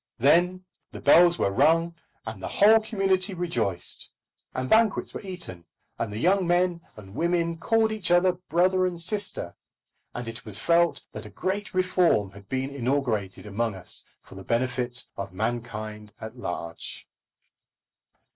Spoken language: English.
Then the bells were rung, and the whole community rejoiced, and banquets were eaten, and the young men and women called each other brother and sister, and it was felt that a great reform had been inaugurated among us for the benefit of mankind at large.